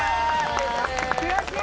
悔しい！